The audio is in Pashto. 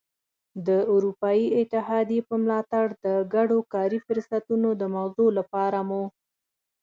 د اروپايي اتحادیې په ملاتړ د ګډو کاري فرصتونو د موضوع لپاره مو.